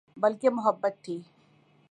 بلکہ محبت تھی